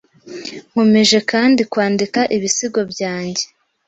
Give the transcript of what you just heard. Nkomeje kandi kwandika ibisigo byanjye